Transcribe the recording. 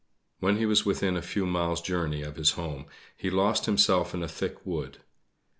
When he was within a few miles journey of his home, he lost himself in a thick wood.